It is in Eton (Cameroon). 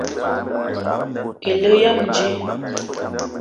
Elig yam dji